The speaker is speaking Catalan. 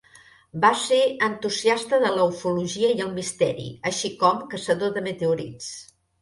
Va ser entusiasta de la ufologia i el misteri, així com caçador de meteorits.